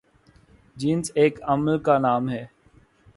جنس ایک عمل کا نام ہے